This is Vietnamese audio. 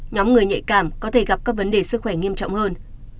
nhóm người nhạy cảm có thể gặp các vấn đề sức khỏe nghiêm trọng hơn